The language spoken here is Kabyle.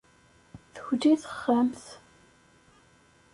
Tuli texxamt.